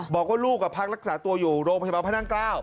บอกว่าลูกภักดิ์รักษาตัวอยู่โรงพยาบาลพก